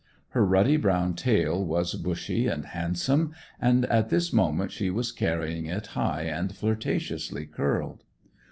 Her ruddy brown tail was bushy and handsome, and at this moment she was carrying it high and flirtatiously curled.